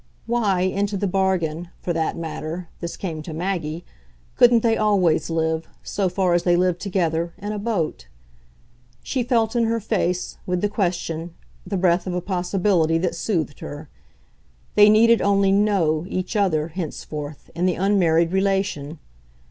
Why, into the bargain, for that matter this came to Maggie couldn't they always live, so far as they lived together, in a boat? She felt in her face, with the question, the breath of a possibility that soothed her; they needed only KNOW each other, henceforth, in the unmarried relation.